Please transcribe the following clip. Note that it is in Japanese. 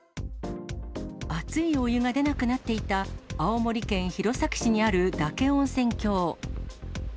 熱いお湯が出なくなっていた青森県弘前市にある嶽温泉郷。